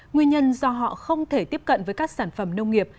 nguyên nhân do họ không thể tiếp cận với các sản phẩm nông nghiệp